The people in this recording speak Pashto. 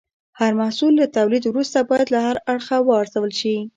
هر محصول له تولید وروسته باید له هر اړخه وارزول شي.